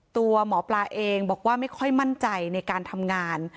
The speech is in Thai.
ตัวหมอปลาเองบอกว่าไม่ค่อยมั่นใจในการทำงาน